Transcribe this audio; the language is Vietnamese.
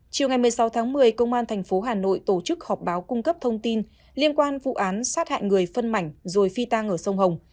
chiều ngày một mươi sáu tháng một mươi công an tp hà nội tổ chức họp báo cung cấp thông tin liên quan vụ án sát hại người phân mảnh rồi phi tang ở sông hồng